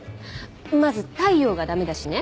まず太陽がダメだしね。